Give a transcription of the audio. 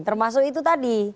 termasuk itu tadi